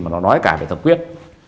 mà nó nói cả về thập quyết